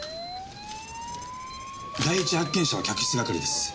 第一発見者は客室係です。